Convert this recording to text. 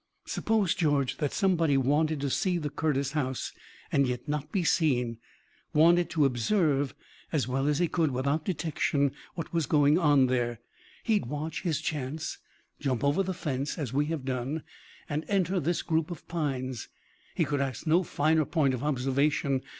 "Suppose, George, that somebody wanted to see the Curtis house, and yet not be seen, wanted to observe as well as he could, without detection, what was going on there. He'd watch his chance, jump over the fence as we have done and enter this group of pines. He could ask no finer point of observation.